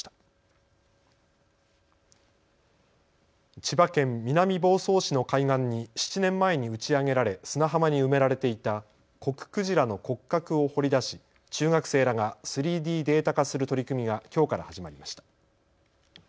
千葉県南房総市の海岸に７年前に打ち上げられ砂浜に埋められていたコククジラの骨格を掘り出し中学生らが３Ｄデータ化する取り組みがきょうから始まりました。